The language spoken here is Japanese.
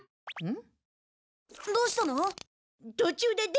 ん？